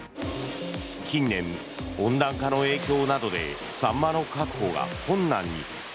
近年、温暖化の影響などでサンマの確保が困難に。